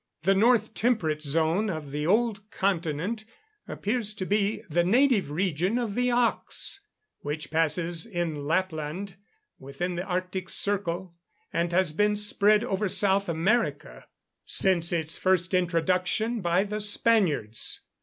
The north temperate zone of the Old Continent appears to be the native region of the ox, which passes in Lapland within the arctic circle, and has been spread over South America since its first introduction by the Spaniards.